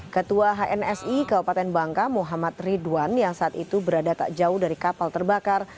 ketua hnsi kabupaten bangka muhammad ridwan yang saat itu berada tak jauh dari kapal terbakar